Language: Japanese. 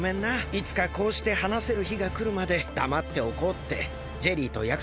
いつかこうしてはなせるひがくるまでだまっておこうってジェリーとやくそくしたんだ。